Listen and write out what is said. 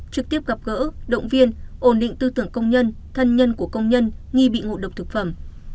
trực tiếp gặp gỡ động viên ổn định tư tưởng công nhân thân nhân của công nhân nghi bị ngộ độc thực phẩm